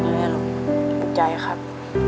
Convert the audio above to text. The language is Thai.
ภูมิใจครับ